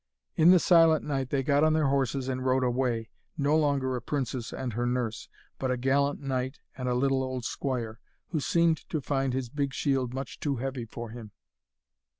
In the silent night they got on their horses and rode away, no longer a princess and her nurse, but a gallant knight and a little old squire, who seemed to find his big shield much too heavy for him.